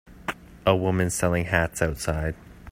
A woman selling hats outside.